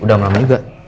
udah malam juga